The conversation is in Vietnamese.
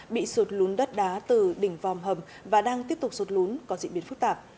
bị sụt lún đất đá từ đỉnh vòm hầm và đang tiếp tục sụt lún có dị biến phức tạp